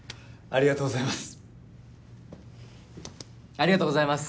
ありがとうございます！